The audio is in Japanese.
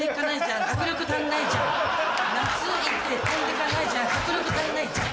懐いて飛んでかないじゃん迫力足りないじゃん